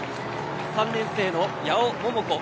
３年生の矢尾桃子。